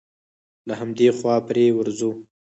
له همدې خوا پرې ورځو.